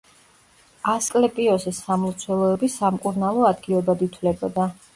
ასკლეპიოსის სამლოცველოები სამკურნალო ადგილებად ითვლებოდა.